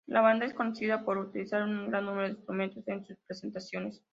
La banda es conocida por utilizar un gran número de instrumentos en sus presentaciones.